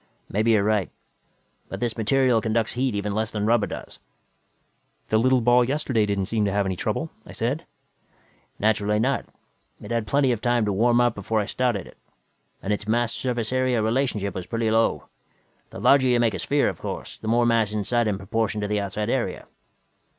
"Maybe you're right. But this material conducts heat even less than rubber does." "The little ball yesterday didn't seem to have any trouble," I said. "Naturally not. It had had plenty of time to warm up before I started it. And its mass surface area relationship was pretty low the larger you make a sphere, of course, the more mass inside in proportion to the outside area."